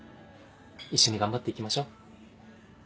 一緒に頑張っていきましょう。